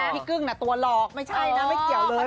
กึ้งตัวหลอกไม่ใช่นะไม่เกี่ยวเลย